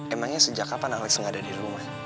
emangnya sejak kapan alex gak ada dirumah